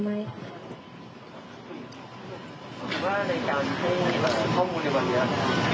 สมาใจครับ